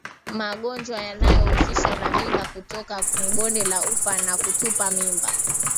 Magonjwa yanayohusishwa na mimba kutoka ni bonde la ufa na kutupa mimba